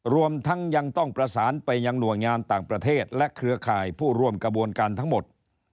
รวมทั้งยังต้องประสานไปยังหน่วยงานต่างประเทศและเครือข่ายผู้ร่วมกระบวนการทั้งหมด